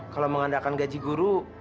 kalau mengandalkan gaji guru